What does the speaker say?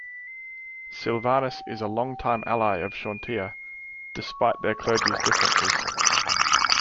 Silvanus is a long-time ally of Chauntea, despite their clergies' differences.